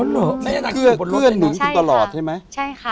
อ๋อเหรอแม่ย่านางอยู่บนรถเนี้ยใช่ค่ะใช่ค่ะ